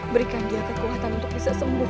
berikan dia kekuatan untuk bisa sembuh